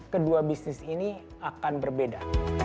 kedua bisnis ini akan berbeda